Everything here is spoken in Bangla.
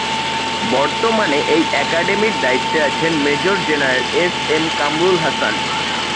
বর্তমানে এই একাডেমীর দায়িত্বে আছেন major general S M Kamrul Hasan.